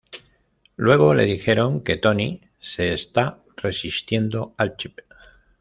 Luego le dijeron que Tony se está resistiendo al chip.